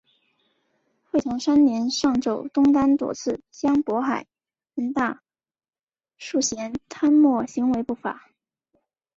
会同三年上奏东丹左次相渤海人大素贤贪墨行为不法。